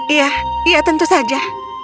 iya iya tentu saja